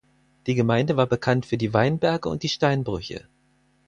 Die Gemeinde war bekannt für die Weinberge und die Steinbrüche.